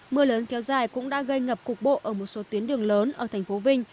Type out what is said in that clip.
mưa lớn kéo dài cũng đã gây ngập cục bộ ở một số tuyến đường lớn ở thành phố vinh